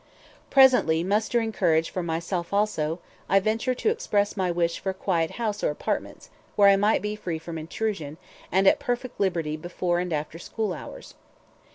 Presently, mustering courage for myself also, I ventured to express my wish for a quiet house or apartments, where I might be free from intrusion, and at perfect liberty before and after school hours.